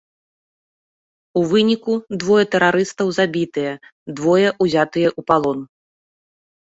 У выніку двое тэрарыстаў забітыя, двое ўзятыя ў палон.